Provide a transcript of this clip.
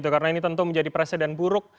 karena ini tentu menjadi presiden buruk